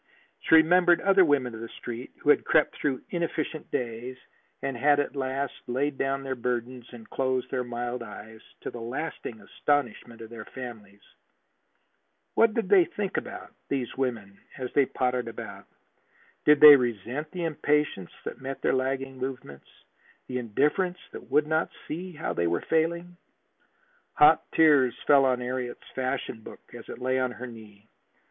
She remembered other women of the Street who had crept through inefficient days, and had at last laid down their burdens and closed their mild eyes, to the lasting astonishment of their families. What did they think about, these women, as they pottered about? Did they resent the impatience that met their lagging movements, the indifference that would not see how they were failing? Hot tears fell on Harriet's fashion book as it lay on her knee.